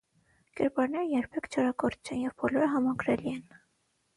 Կերպարները երբեք չարագործ չեն, և բոլորը համակրելի են։